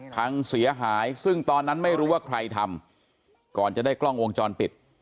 พังเสียหายซึ่งตอนนั้นไม่รู้ว่าใครทำก่อนจะได้กล้องวงจรปิด